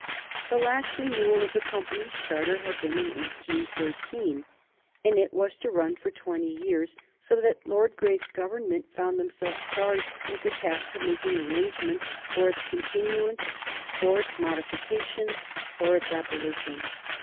The last renewal of the Company's charter had been in 1813, and it was to run for twenty years, so that Lord Grey's Government found themselves charged with the task of making arrangements for its continuance, or its modifications, or its abolition.